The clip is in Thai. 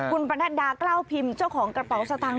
คุณประณัติดาเกล้าพิมพ์เจ้าของกระเป๋าตัง